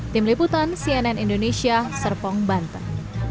tim liputan cnn indonesia serpong banten